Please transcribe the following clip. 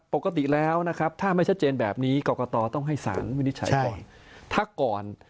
ปกติแล้วนะครับถ้าไม่ชัดเจนแบบนี้กรกตต้องให้สารวินิจฉัยก่อนถ้าก่อน